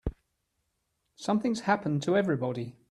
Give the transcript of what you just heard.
Something's happened to everybody.